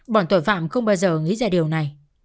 bọn tội phạm không bao giờ nghĩ ra điều này